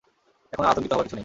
এখন আর আতঙ্কিত হবার কিছু নেই।